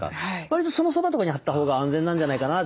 わりとそのそばとかに張った方が安全なんじゃないかな